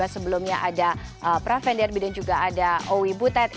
sebelumnya ada pravendirbi dan juga ada owi butat